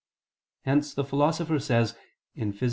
Hence the Philosopher says (Phys.